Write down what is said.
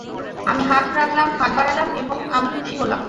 আমি হাত রাখলাম, হাত বারালাম, এবং আমি খুশি হলাম।